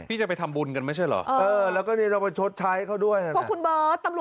พี่จะไปทำบุญกันไม่ใช่เหรอ